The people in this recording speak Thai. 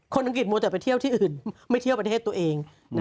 อังกฤษมัวแต่ไปเที่ยวที่อื่นไม่เที่ยวประเทศตัวเอง